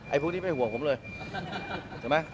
พวกนี้ไม่ห่วงผมเลยใช่ไหม